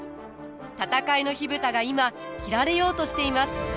戦いの火蓋が今切られようとしています！